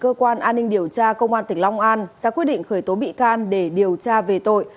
cơ quan an ninh điều tra công an tỉnh long an ra quyết định khởi tố bị can để điều tra về tội